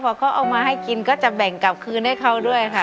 พอเขาเอามาให้กินก็จะแบ่งกลับคืนให้เขาด้วยค่ะ